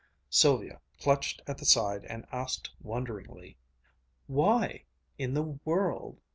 Sylvia clutched at the side and asked wonderingly, "Why in the world?"